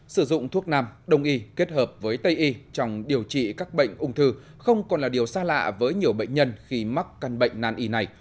sử dụng thuốc nam đồng y kết hợp với tây y trong điều trị các bệnh ung thư không còn là điều xa lạ với nhiều bệnh nhân khi mắc căn bệnh nan y này